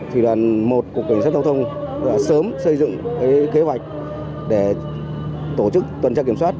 thì đoàn một của cảnh sát giao thông đã sớm xây dựng kế hoạch để tổ chức tuần tra kiểm soát